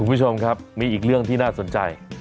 คุณผู้ชมครับมีอีกเรื่องที่น่าสนใจ